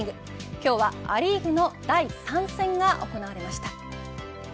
今日はア・リーグの第３戦が行われました。